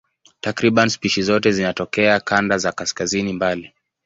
Takriban spishi zote zinatokea kanda za kaskazini mbali.